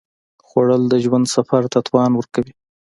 خوړل د ژوند سفر ته توان ورکوي